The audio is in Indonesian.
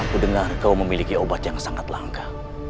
aku dengar kau memiliki obat yang sangat langka